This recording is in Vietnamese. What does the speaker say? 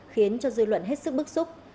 khiến cho dư luận hết sức bức xúc